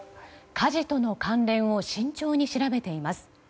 火事との関連を慎重に調べています。